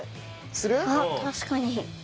あっ確かに。